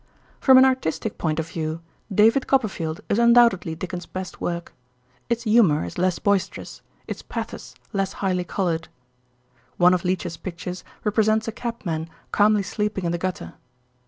From an artistic point of view, "David Copperfield" is undoubtedly Dickens' best work. Its humour is less boisterous; its pathos less highly coloured. One of Leech's pictures represents a cab man calmly sleeping in the gutter.